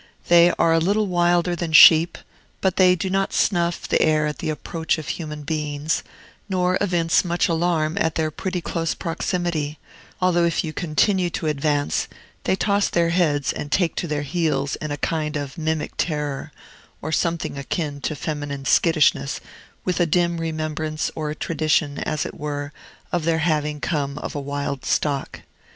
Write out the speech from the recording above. They are a little wilder than sheep, but they do not snuff the air at the approach of human beings, nor evince much alarm at their pretty close proximity; although if you continue to advance, they toss their heads and take to their heels in a kind of mimic terror, or something akin to feminine skittishness, with a dim remembrance or tradition, as it were, of their having come of a wild stock.